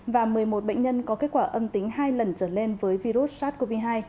và một mươi một bệnh nhân có kết quả âm tính hai lần trở lên với virus sars cov hai